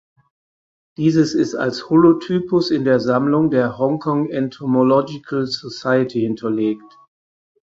Dieses ist als Holotypus in der Sammlung der Hongkong Entomological Society hinterlegt.